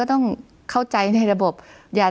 คุณปริณาค่ะหลังจากนี้จะเกิดอะไรขึ้นอีกได้บ้าง